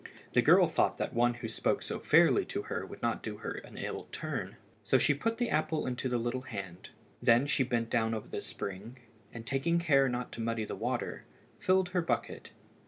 The girl thought that one who spoke so fairly to her would not do her an ill turn, so she put the apple into the little hand. Then she bent down over the spring, and, taking care not to muddy the water, filled her bucket.